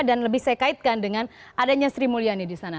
dan lebih saya kaitkan dengan adanya sri mulyani di sana